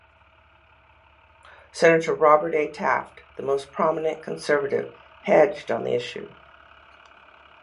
Senator Robert A. Taft, The most prominent conservative, hedged on the issue.